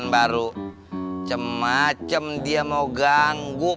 jarak itu juga audiences agikoq